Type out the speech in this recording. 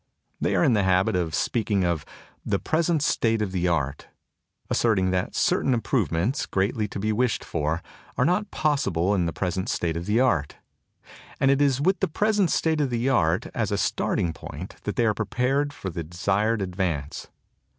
They are in the habit of speaking of "the present state of the art," asserting that certain improvements greatly to be wished for are not possible in the present state of the art. And it is with the present state of the art as a starting point that they prepare for the desired advance.